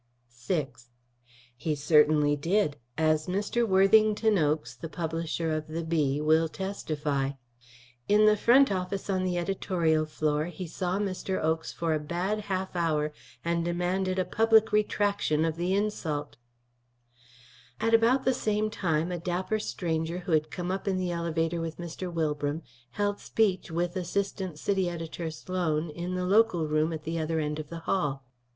VI He certainly did, as Mr. Worthington Oakes, the publisher of the Bee, will testify. In the front office on the editorial floor he saw Mr. Oakes for a bad half hour, and demanded a public retraction of the insult. At about the same time a dapper stranger who had come up in the elevator with Mr. Wilbram held speech with Assistant City Editor Sloan in the local room at the other end of the hall.